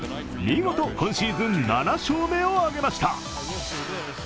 見事、今シーズン７勝目を挙げました。